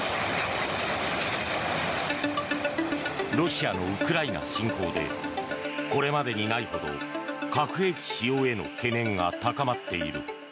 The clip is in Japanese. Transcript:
ロシアのウクライナ侵攻でこれまでにないほど核兵器使用への懸念が高まっている。